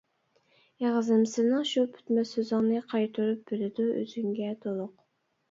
ئېغىزىم سېنىڭ شۇ پۈتمەس سۆزۈڭنى قايتۇرۇپ بېرىدۇ ئۆزۈڭگە تولۇق.